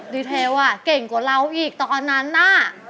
เทลเก่งกว่าเราอีกตอนนั้นน่ะ